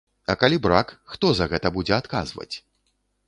А калі брак, хто за гэта будзе адказваць?